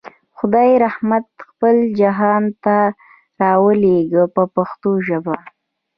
خدای رحمت خپل جهان ته راولېږه په پښتو ژبه.